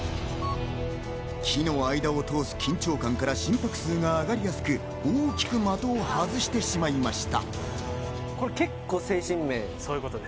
木の間を通す緊張感から心拍数が上がりやすく、大きく的を外してしまいました。